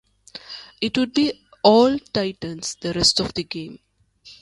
It would be all Titans the rest of the game.